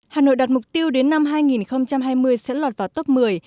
hà nội đặt mục tiêu đến năm hai nghìn hai mươi sẽ lọt vào top một mươi